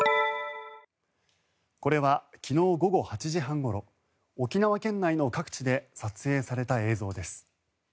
これは昨日午後８時半ごろ沖縄県内の各地で撮影された映像です。